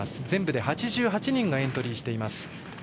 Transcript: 全部で８８人がエントリーしています。